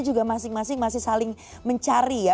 juga masing masing masih saling mencari ya